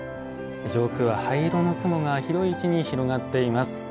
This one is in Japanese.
上空は灰色の雲が広い位置に広がっています。